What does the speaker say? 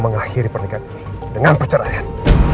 mengakhiri pernikahan dengan perceraian